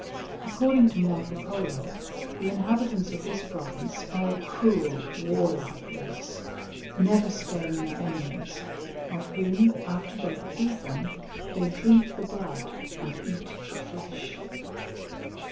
According to Marco Polo, the inhabitants of this province are a cruel warlike race, never sparing their enemies, of whom, after they have killed them, they drink the blood and eat the flesh.